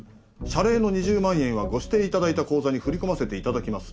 「謝礼の２０万円はご指定頂いた口座に振り込ませて頂きます。